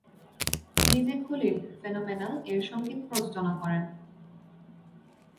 DJ Khalil "ফেনোমেনাল"-এর সঙ্গীত প্রযোজনা করেন।